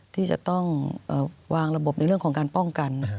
ที่จะต้องวางระบบในเรื่องของการป้องกัน